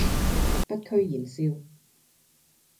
不苟言笑